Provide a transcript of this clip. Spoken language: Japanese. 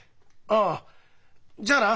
ああじゃあな。